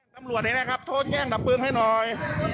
ทำรวจนี่นะครับโทษแกล้งดับปืนให้หน่อย